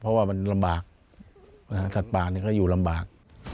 เพราะว่ามันลำบากสัตว์ป่าก็อยู่ลำบาก